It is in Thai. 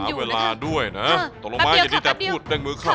ตั้งสามเวลาด้วยนะตรงลงมาอย่าได้แต่พูดแปลงมือครับ